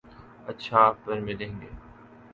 اچھا ، پرملیں گے